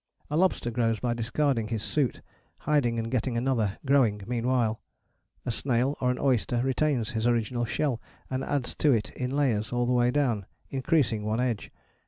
A lobster grows by discarding his suit, hiding and getting another, growing meanwhile. A snail or an oyster retains his original shell, and adds to it in layers all the way down, increasing one edge.